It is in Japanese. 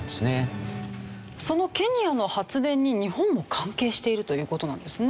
そのケニアの発電に日本も関係しているという事なんですね？